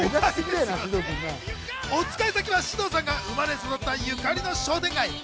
おつかい先は獅童さんが生まれ育ったゆかりの商店街。